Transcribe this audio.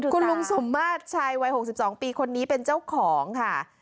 คุณลุงสมมาตรชายวัย๖๒ปีคนนี้เป็นเจ้าของค่ะ